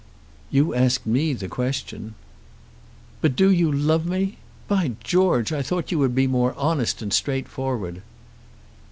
"You asked me the question." "But you do love me? By George, I thought you would be more honest and straightforward."